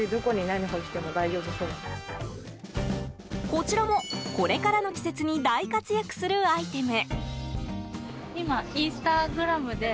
こちらも、これからの季節に大活躍するアイテム。